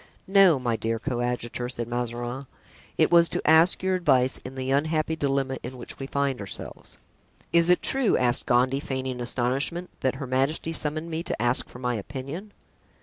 "No, my dear coadjutor," said Mazarin; "it was to ask your advice in the unhappy dilemma in which we find ourselves." "Is it true," asked Gondy, feigning astonishment, "that her majesty summoned me to ask for my opinion?"